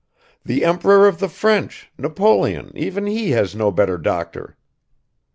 The Emperor of the French, Napoleon, even he has no better doctor."